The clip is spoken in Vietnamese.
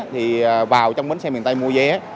thì vào trong bến xe miền tây mua vé